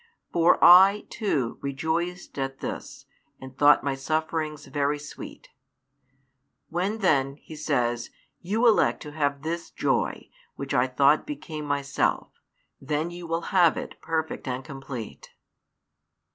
For I, too, rejoiced at this, and thought My sufferings very sweet. When then, He says, you elect to have this joy, which I thought became Myself, then you will have it perfect and complete.